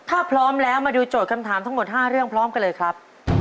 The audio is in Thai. ถ้าพร้อมแล้วมาดูโจทย์คำถามทั้งหมด๕เรื่องพร้อมกันเลยครับ